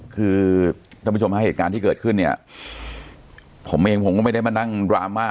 คือท่านผู้ชมฮะเหตุการณ์ที่เกิดขึ้นเนี่ยผมเองผมก็ไม่ได้มานั่งดราม่า